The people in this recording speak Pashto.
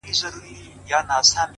دغه د کرکي او نفرت کليمه ـ